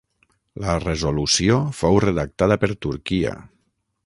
La resolució fou redactada per Turquia.